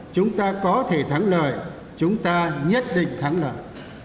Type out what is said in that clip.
chúng ta có thể thắng lợi chúng ta nhất định thắng lợi